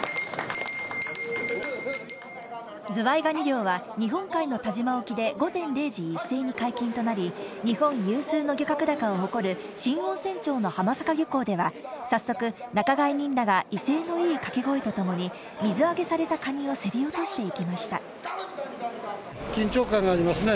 ズワイガニ漁は、日本海の但馬沖で午前０時、一斉に解禁となり、日本有数の漁獲高を誇る、新温泉町の浜坂漁港では早速、仲買人らが威勢のいい掛け声とともに、水揚げされたカニを競り落緊張感がありますね。